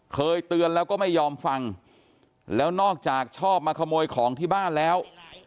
เคยเตือนแล้วก็ไม่ยอมฟังแล้วนอกจากชอบมาขโมยของที่บ้านแล้ว